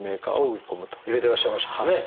入れてらっしゃいましたもんね。